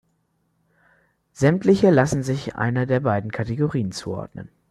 Sämtliche lassen sich einer der beiden Kategorien zuordnen.